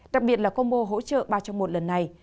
đặc biệt là combo hỗ trợ ba trong một lần này